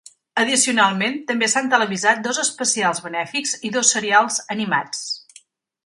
Addicionalment, també s'han televisat dos especials benèfics i dos serials animats.